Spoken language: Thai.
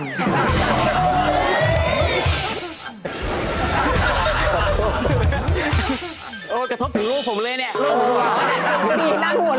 โอ้ยกระทบถึงรูปผมเลยเนี่ย